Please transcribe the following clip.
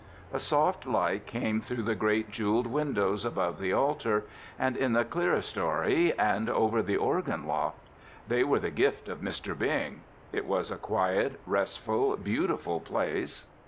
A soft light came through the great jeweled windows above the altar, and in the clearstory, and over the organ loft. They were the gift of Mr. Bing. It was a quiet, restful, beautiful place.